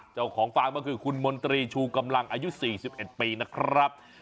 ฟาร์มก็คือคุณมนตรีชูกำลังอายุ๔๑ปีนะครับ